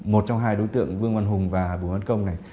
một trong hai đối tượng vương văn hùng và bùi văn công này